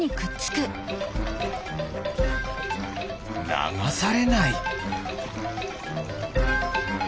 ながされない。